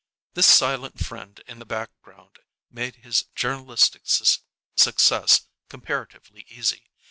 This silent friend in the background made his journalistic success comparatively easy.